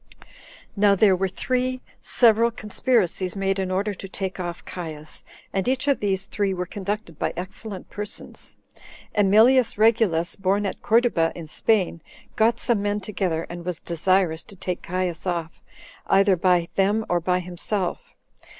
3. Now there were three several conspiracies made in order to take off Caius, and each of these three were conducted by excellent persons. Emilius Regulus, born at Corduba in Spain, got some men together, and was desirous to take Caius off, either by them or by himself.